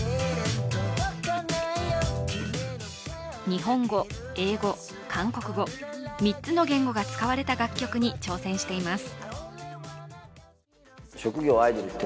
日本語、英語、韓国語、３つの言語が使われた楽曲に挑戦しています。